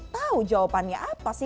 tahu jawabannya apa sih